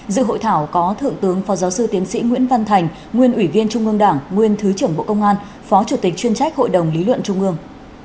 dự hội thảo có thượng tướng phó giáo sư tiến sĩ nguyễn văn thành nguyên ủy viên trung ương đảng nguyên thứ trưởng bộ công an phó chủ tịch chuyên trách hội đồng lý luận trung ương